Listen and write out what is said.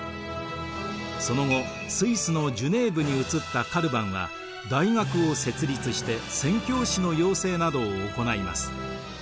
その後スイスのジュネーヴに移ったカルヴァンは大学を設立して宣教師の養成などを行います。